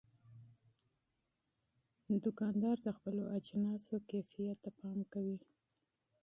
دوکاندار د خپلو اجناسو کیفیت ته پام کوي.